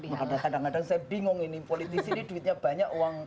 maka kadang kadang saya bingung ini politisi ini duitnya banyak uang